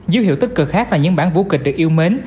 dấu hiệu tích cực khác là những bản vũ kịch được yêu mến